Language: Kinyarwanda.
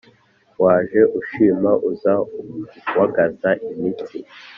waje ushima uza wagaza imitsi